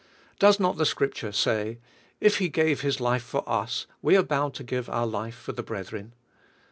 Does not the Scripture say, "If He gave His life for us, we are bound to give our life for the brethren?"